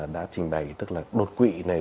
đã trình bày tức là đột quỵ này